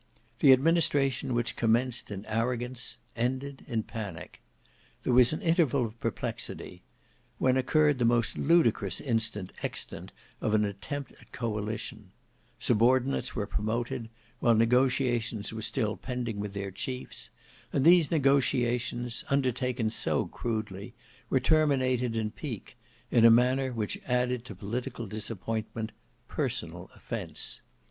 This administration which commenced in arrogance ended in panic. There was an interval of perplexity; when occurred the most ludicrous instance extant of an attempt at coalition; subordinates were promoted, while negotiations were still pending with their chiefs; and these negotiations, undertaken so crudely, were terminated in pique; in a manner which added to political disappointment personal offence.